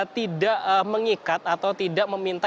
tidak mengikat atau tidak meminta